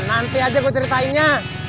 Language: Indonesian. nanti aja gua ceritainnya